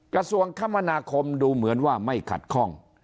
กระทรวงคมนาคมดูเหมือนว่าไม่ขัดข้อง